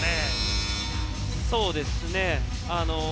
そうですね。